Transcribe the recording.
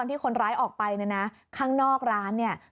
ใช่ค่ะหนูก็เปิดเครื่องหนูก็ถือเงินเอาไว้